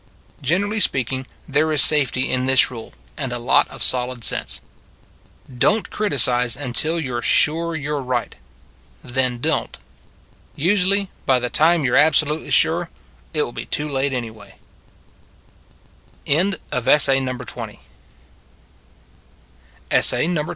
Generally speaking, there is safety in this rule, and a lot of solid sense : Don t criticize until you re sure you re right. Then don t. Usually by the time you re absolutely sure, it will be too late, anyway.